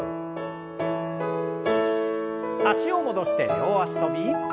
脚を戻して両脚跳び。